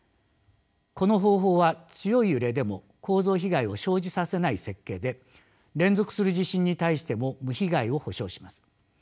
この方法は強い揺れでも構造被害を生じさせない設計で連続する地震に対しても無被害を保障します。